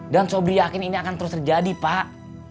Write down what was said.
dan sobri yakin ini akan terus terjadi pak